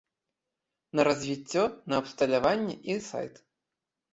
На развіццё, на абсталяванне і сайт.